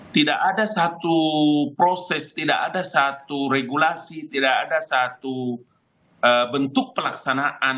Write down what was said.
tidak ada satu proses tidak ada satu regulasi tidak ada satu bentuk pelaksanaan